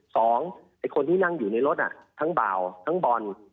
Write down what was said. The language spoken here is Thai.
ไอ้คนที่นั่งอยู่ในรถทั้งเบาทั้งบอล